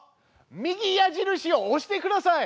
右矢印を押してください！